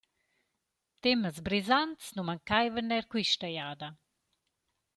Temas brisants nu mancaivan eir quista jada.